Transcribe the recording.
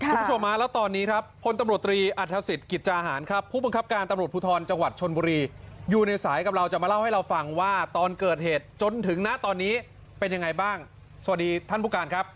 คุณผู้ชมฮะแล้วตอนนี้ครับพลตำรวจตรีอัฐศิษย์กิจจาหารครับผู้บังคับการตำรวจภูทรจังหวัดชนบุรีอยู่ในสายกับเราจะมาเล่าให้เราฟังว่าตอนเกิดเหตุจนถึงณตอนนี้เป็นยังไงบ้างสวัสดีท่านผู้การครับ